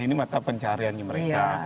ini mata pencahariannya mereka